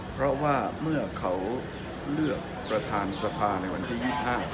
เพราะว่าเมื่อเขาเลือกประธานสภาในวันที่๒๕